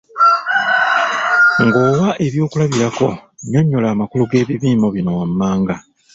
Ng’owa ebyokulabirako, nnyonnyola amakulu g’ebimiimo bino wammanga.